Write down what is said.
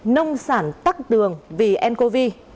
nông sản tắt đường vì ncov